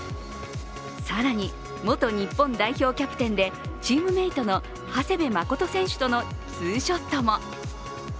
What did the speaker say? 更に、元日本代表キャプテンでチームメイトの長谷部誠選手とのツーショットも。